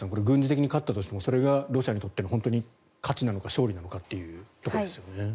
軍事的に勝ったとしてもそれがロシアにとって本当に勝ちなのか勝利なのかということですね。